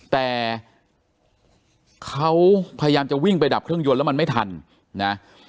แต่เขาพยายามจะวิ่งไปดับเครื่องยนต์แล้วมันไม่ทันนะ